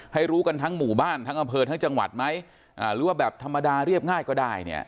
รู้กันทั้งหมู่บ้านทั้งอำเภอทั้งจังหวัดไหมหรือว่าแบบธรรมดาเรียบง่ายก็ได้เนี่ย